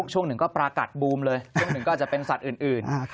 ช่วงหนึ่งก็ประกัดบูมเลยช่วงหนึ่งก็อาจจะเป็นสัตว์อื่น